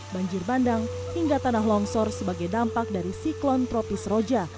banjir bandang hingga tanah longsor sebagai dampak dari siklon tropis roja